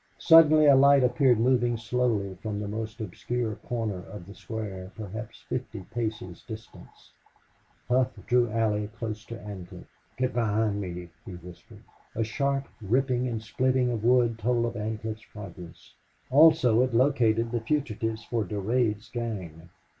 Suddenly a light appeared moving slowly from the most obscure corner of the space, perhaps fifty paces distant. Hough drew Allie closer to Ancliffe. "Get behind me," he whispered. A sharp ripping and splitting of wood told of Ancliffe's progress; also it located the fugitives for Durade's gang.